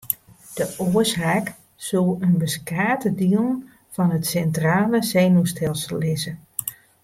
De oarsaak soe yn beskate dielen fan it sintrale senuwstelsel lizze.